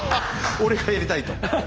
俺がやりたいと。